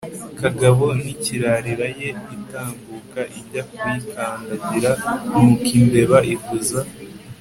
kagabo ntikirarira ye!, itambuka ijya kuyikandagira. nuko imbeba ivuza